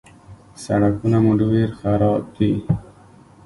_سړکونه مو ډېر خراب دي.